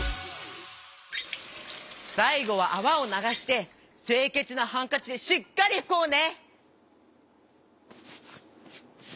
さいごはあわをながしてせいけつなハンカチでしっかりふこうね！